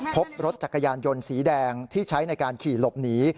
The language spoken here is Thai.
พบรถจักรยานยนต์สีแดงที่ใช้ในการขี่หลบหนี